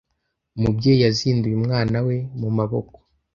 Umubyeyi yazinduye umwana we mu maboko.